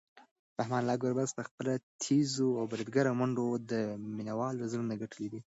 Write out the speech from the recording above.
رحمان الله ګربز په خپلو تېزو او بریدګرو منډو د مینوالو زړونه ګټلي دي.